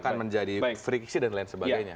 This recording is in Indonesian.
akan menjadi friksi dan lain sebagainya